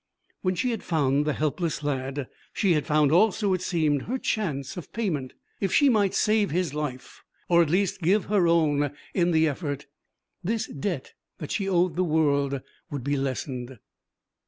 When she had found the helpless lad, she had found also, it seemed, her chance of payment. If she might save his life or at least give her own in the effort, this debt that she owed the world would be lessened.